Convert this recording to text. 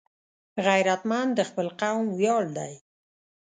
غیرتمند د خپل قوم ویاړ دی